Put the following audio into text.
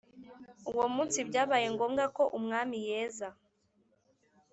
Uwo munsi byabaye ngombwa ko umwami yeza